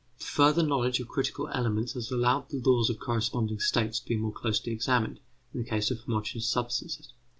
The further knowledge of critical elements has allowed the laws of corresponding states to be more closely examined in the case of homogeneous substances.